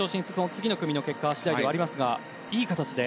次の組の結果次第ではありますがいい形で。